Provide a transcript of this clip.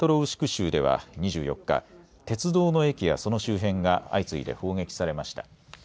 州では２４日、鉄道の駅やその周辺が相次いで砲撃されました。